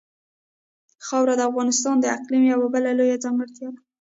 خاوره د افغانستان د اقلیم یوه بله لویه ځانګړتیا ده.